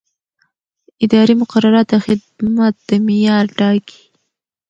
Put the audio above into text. اداري مقررات د خدمت د معیار ټاکي.